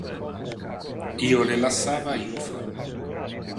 Io le lassava infra.